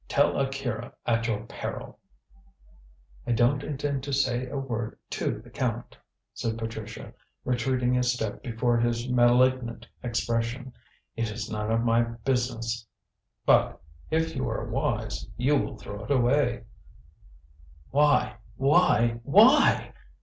Tell Akira at your peril." "I don't intend to say a word to the Count," said Patricia, retreating a step before his malignant expression. "It is none of my business. But if you are wise you will throw it away." "Why? Why? Why?"